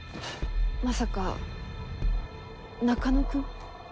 まさか中野くん？